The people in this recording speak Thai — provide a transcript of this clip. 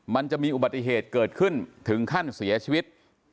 มันจะมีอุบัติเหตุเกิดขึ้นถึงขั้นเสียชีวิต